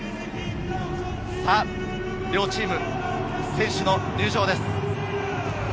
両チーム選手の入場です。